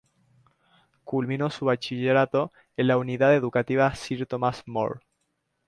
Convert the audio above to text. Culminó su Bachillerato en la Unidad Educativa Sir Thomas More.